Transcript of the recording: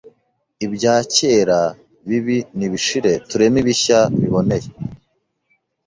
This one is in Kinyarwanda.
Ibya kera bibi nibishire tureme ibishya biboneye